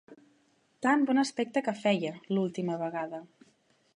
Tan bon aspecte que feia, l'última vegada.